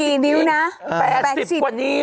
นิ้วนะ๘๐กว่านิ้ว